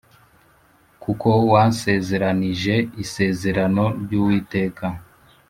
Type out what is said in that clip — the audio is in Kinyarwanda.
kuko wansezeranije isezerano ry’Uwiteka.